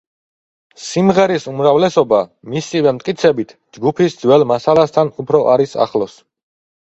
სიმღერის უმრავლესობა, მისივე მტკიცებით, ჯგუფის ძველ მასალასთან უფრო არის ახლოს.